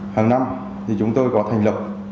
hằng năm thì chúng tôi có thành lập